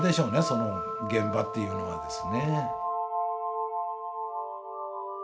その現場っていうのはですね。